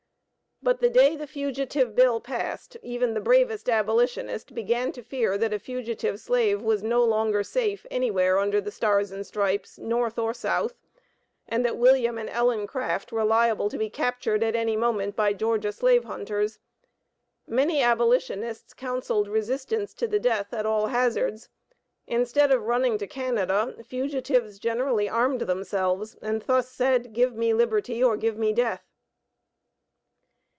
But the day the Fugitive Bill passed, even the bravest abolitionist began to fear that a fugitive slave was no longer safe anywhere under the stars and stripes, North or South, and that William and Ellen Craft were liable to be captured at any moment by Georgia slave hunters. Many abolitionists counselled resistance to the death at all hazards. Instead of running to Canada, fugitives generally armed themselves and thus said, "Give me liberty or give me death."